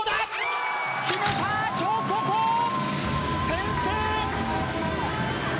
先制！